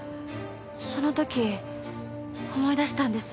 その時思い出したんです。